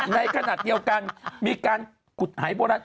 ในขณะเดียวกันมีการหายพลัง